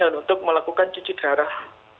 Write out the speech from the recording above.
dan untuk melakukan cuci darah